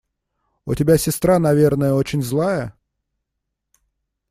У тебя сестра, наверное, очень злая?